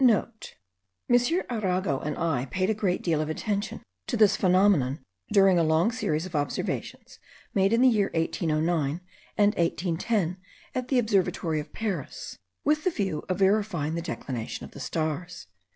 *(* M. Arago and I paid a great deal of attention to this phenomenon during a long series of observations made in the year 1809 and 1810, at the Observatory of Paris, with the view of verifying the declination of the stars.)